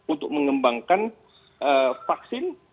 untuk mengembangkan vaksin